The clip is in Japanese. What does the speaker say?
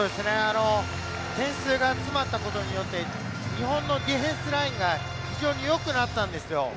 点数が詰まったことによって日本のディフェンスラインが非常によくなったんですよ。